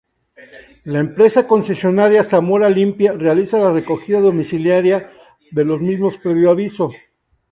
La empresa concesionaria Zamora Limpia realiza la recogida domiciliaria de los mismos previo aviso.